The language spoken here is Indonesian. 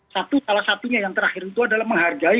satu salah satunya yang terakhir itu adalah menghargai